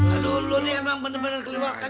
aduh lu ini emang bener bener kelimakan